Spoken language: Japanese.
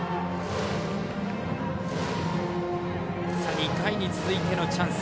２回に続いてのチャンス。